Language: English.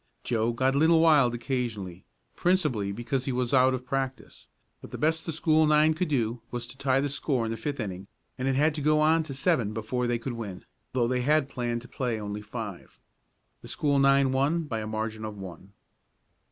Joe got a little wild occasionally, principally because he was out of practice, but the best the school nine could do was to tie the score in the fifth inning, and it had to go to seven before they could win, though they had planned to play only five. The school nine won by a margin of one.